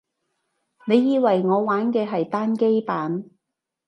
你以為我玩嘅係單機版